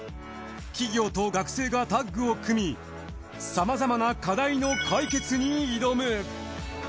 企業と学生がタッグを組みさまざまな課題の解決に挑む。